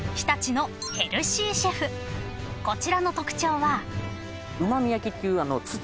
［こちらの特徴は］